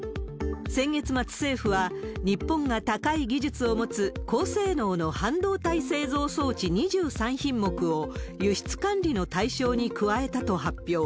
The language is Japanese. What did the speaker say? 先月末、政府は、日本が高い技術を持つ高性能の半導体製造装置２３品目を輸出管理の対象に加えたと発表。